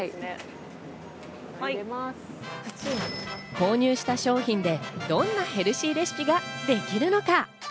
購入した商品でどんなヘルシーレシピができるのか。